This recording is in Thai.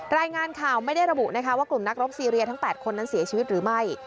รายงานข่าวไม่ได้ระบุนะคะว่ากลุ่มนักรบซีเรียทั้ง๘คนนั้นเสียชีวิตหรือไม่